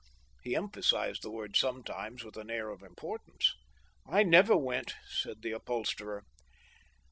He emphasized the word sometimes, with an air of importance. " I never went," said the upholsterer.